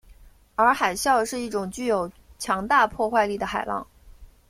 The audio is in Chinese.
而海啸是一种具有强大破坏力的海浪。